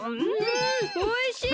んおいしい！